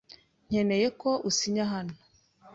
Nkeneye ko usinya hano.